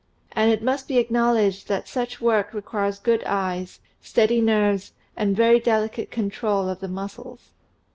And it must be acknowledged that such work requires good eyes, steady nerves, and very delicate control of the muscles.